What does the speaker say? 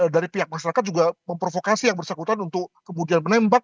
dari pihak masyarakat juga memprovokasi yang bersangkutan untuk kemudian menembak